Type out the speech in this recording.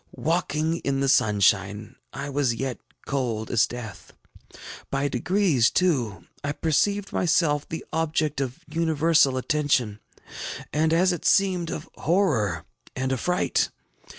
Walking in the sunshine, I was yet cold as death. By degrees, too, I perceived myself the object of universal attention, and, as it seemed, of horror and affright.